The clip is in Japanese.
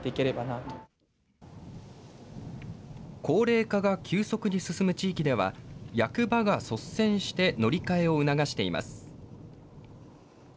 高齢化が急速に進む地域では、役場が率先して乗り換えを促しています。